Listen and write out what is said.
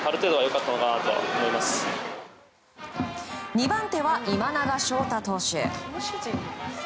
２番手は今永昇太投手。